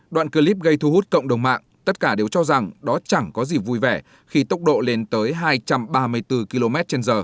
đoạn clip gây thu hút cộng đồng mạng tất cả đều cho rằng đó chẳng có gì vui vẻ khi tốc độ lên tới hai trăm ba mươi bốn km trên giờ